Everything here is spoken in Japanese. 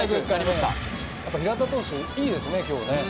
やっぱり平田投手いいですね、今日。